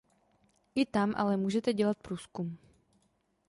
I tam ale můžete dělat průzkum.